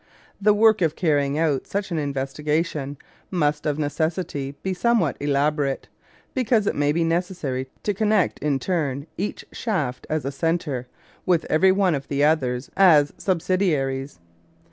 The work of carrying out such an investigation must of necessity be somewhat elaborate, because it may be necessary to connect in turn each shaft, as a centre, with every one of the others as subsidiaries.